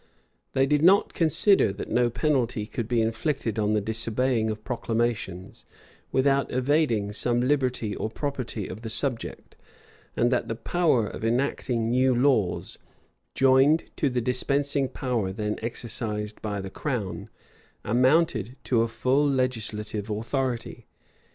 They did not consider, that no penalty could be inflicted on the disobeying of proclamations, without invading some liberty or property of the subject; and that the power of enacting new laws, joined to the dispensing power then exercised by the crown, amounted to a full legislative authority.